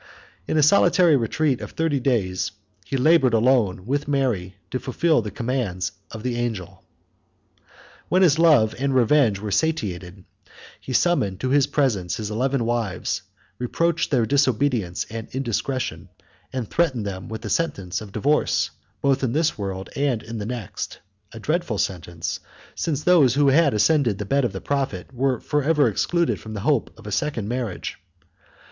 In a solitary retreat of thirty days, he labored, alone with Mary, to fulfil the commands of the angel. When his love and revenge were satiated, he summoned to his presence his eleven wives, reproached their disobedience and indiscretion, and threatened them with a sentence of divorce, both in this world and in the next; a dreadful sentence, since those who had ascended the bed of the prophet were forever excluded from the hope of a second marriage.